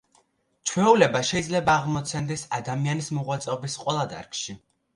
ჩვეულება შეიძლება აღმოცენდეს ადამიანის მოღვაწეობის ყველა დარგში.